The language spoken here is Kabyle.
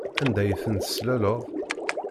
Anda ay ten-teslaleḍ?